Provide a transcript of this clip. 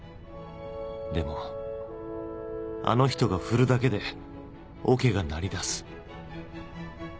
でもあの人が振るだけでオケが鳴り出す